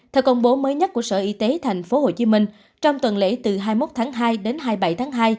theo công bố mới nhất của sở y tế tp hcm trong tuần lễ từ hai mươi một tháng hai đến hai mươi bảy tháng hai